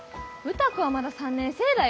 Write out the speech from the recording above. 歌子はまだ３年生だよ！